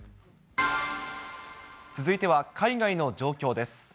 続いては、海外の状況です。